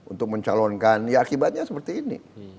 untuk mencalonkan ya akibatnya seperti ini